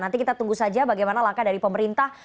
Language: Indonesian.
nanti kita tunggu saja bagaimana langkah dari pemerintah